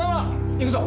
行くぞ。